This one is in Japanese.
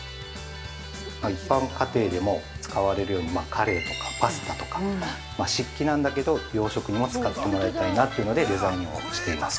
◆一般家庭でも使われるようにカレーとかパスタとか漆器なんだけど、洋食にも使ってもらいたいなというのでデザインをしています。